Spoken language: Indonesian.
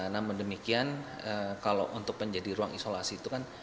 namun demikian kalau untuk menjadi ruang isolasi itu kan